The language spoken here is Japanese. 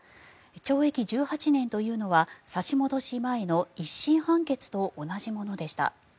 懲役１８年というのは差し戻し前の１審判決と同じものでした。